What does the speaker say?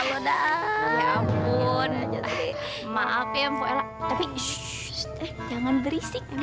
maaf ya tapi jangan berisik